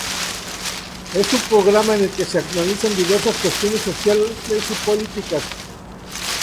Es un programa en el que se analizan diversas cuestiones sociales y políticas.